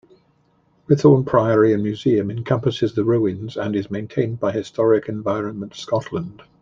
"Whithorn Priory and Museum" encompasses the ruins and is maintained by Historic Environment Scotland.